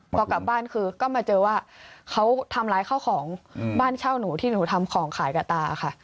พอกลับบ้านคือก็มาเจอว่าเขาทำร้ายข้าวของบ้านเช่าหนูที่หนูทำของขายกับตาค่ะ